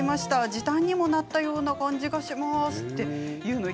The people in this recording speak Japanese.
時短にもなったような感じがします。